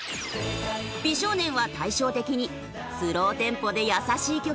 美少年は対照的にスローテンポで優しい曲